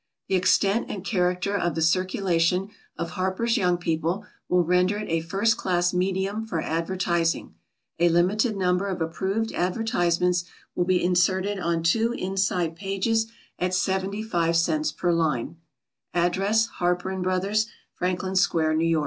The extent and character of the circulation of HARPER'S YOUNG PEOPLE will render it a first class medium for advertising. A limited number of approved advertisements will be inserted on two inside pages at 75 cents per line. Address HARPER & BROTHERS, Franklin Square, N. Y.